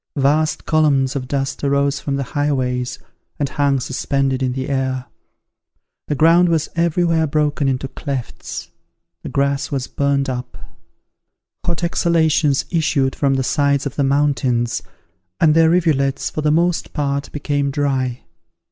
Vast columns of dust arose from the highways, and hung suspended in the air; the ground was every where broken into clefts; the grass was burnt up; hot exhalations issued from the sides of the mountains, and their rivulets, for the most part, became dry.